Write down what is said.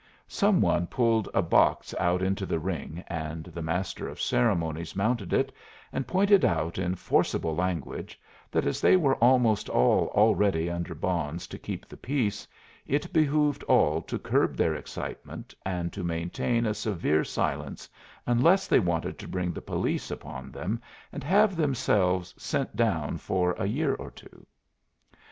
Some one pulled a box out into the ring and the master of ceremonies mounted it, and pointed out in forcible language that as they were almost all already under bonds to keep the peace, it behooved all to curb their excitement and to maintain a severe silence, unless they wanted to bring the police upon them and have themselves "sent down" for a year or two.